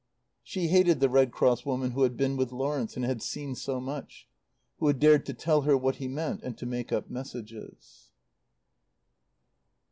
She hated the Red Cross woman who had been with Lawrence and had seen so much; who had dared to tell her what he meant and to make up messages.